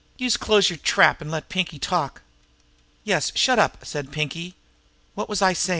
"Youse close yer trap, an' let Pinkie talk!" "Yes, shut up!" said Pinkie. "What was I sayin'?